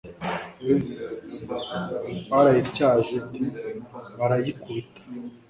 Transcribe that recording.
s Barayityaje t barayikubira